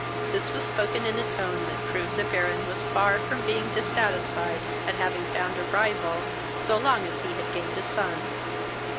This was spoken in a tone that proved the Baron was far from being dissatisfied at having found a rival, so long as he had gained a son.